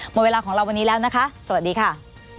หมดเวลาของเราวันนี้แล้วนะคะสวัสดีค่ะ